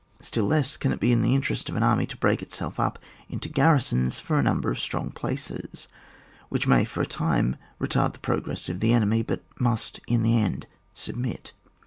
Still less can it be the interest of an army to break itself up into garrisons for a number of strong places, which may for a time retard the progress of the enemy, but must in the end submit.